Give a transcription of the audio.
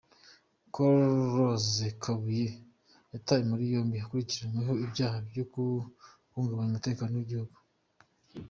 Col Rose Kabuye yatawe muri yombi, bakurikiranyweho ibyaha byo guhungabanya umutekano w’igihugu.